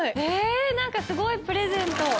えぇ何かすごいプレゼント。